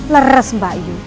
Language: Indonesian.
leres mbak yu